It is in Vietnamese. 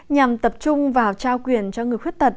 nhằm tập trung vào trao quyền cho người khuyết tật